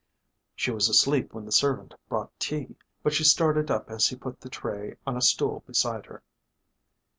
She was asleep when the servant brought tea, but she started up as he put the tray on a stool beside her.